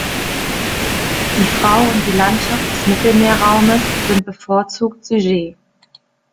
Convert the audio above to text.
Die Frau und die Landschaft des Mittelmeerraums sind bevorzugte Sujets.